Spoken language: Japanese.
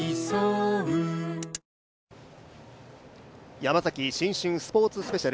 ヤマザキ新春スポ−ツスペシャル